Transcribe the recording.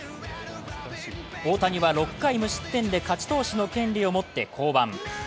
大谷は６回無失点で勝ち投手の権利を持って降板。